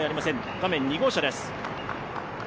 画面は２号車です。